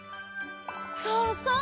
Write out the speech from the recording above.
そうそう！